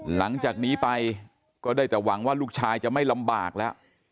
หลังจากนี้ไปก็ได้แต่หวังว่าลูกชายจะไม่ลำบากแล้ว